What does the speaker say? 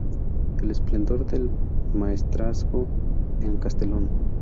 El esplendor del Maestrazgo en Castellón.